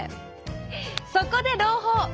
そこで朗報！